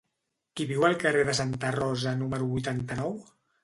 Qui viu al carrer de Santa Rosa número vuitanta-nou?